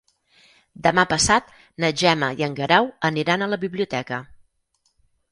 Demà passat na Gemma i en Guerau aniran a la biblioteca.